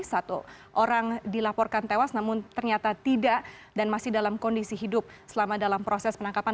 satu orang dilaporkan tewas namun ternyata tidak dan masih dalam kondisi hidup selama dalam proses penangkapan